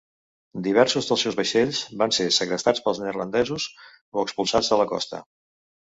Diversos dels seus vaixells van ser segrestats pels neerlandesos o expulsats de la costa.